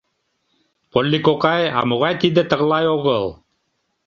— Полли кокай, а могай тиде — «тыглай огыл»?